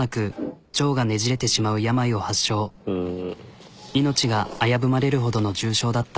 夏ちゃんは命が危ぶまれるほどの重症だった。